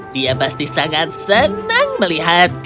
dia pasti sangat senang melihat